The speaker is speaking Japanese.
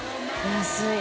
安い。